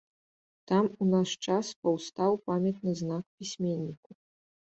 Там у наш час паўстаў памятны знак пісьменніку.